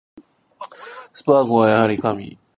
スパーゴはやはり神